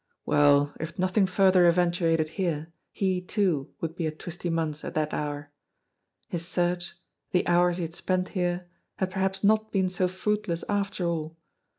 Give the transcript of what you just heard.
Well, if nothing further eventuated here, he, too, would be at Twisty Munn's at that hour. His search, the hours he had spent here, had perhaps not been so fruitless after all!